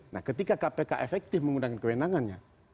nah ketika kpk efektif menggunakan kewenangannya